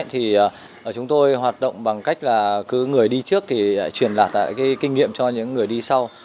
thì chúng tôi hoạt động bằng cách là cứ người đi trước thì truyền đạt lại cái kinh nghiệm cho những người đi sau